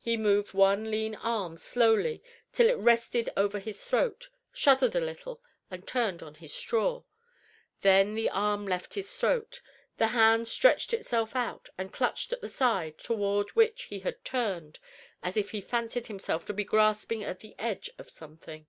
He moved one lean arm slowly till it rested over his throat, shuddered a little, and turned on his straw. Then the arm left his throat, the hand stretched itself out, and clutched at the side toward which he had turned, as if he fancied himself to be grasping at the edge of something.